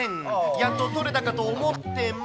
やっと取れたかと思っても。